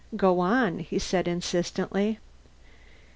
"Go on," he said insistently.